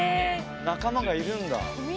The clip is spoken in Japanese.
仲間がいるんだ。